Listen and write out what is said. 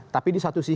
tapi di satu sisi